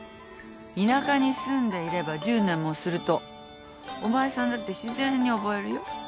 田舎に住んでいれば１０年もするとお前さんだって自然に覚えるよ。